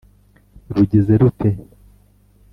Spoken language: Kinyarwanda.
rugize rute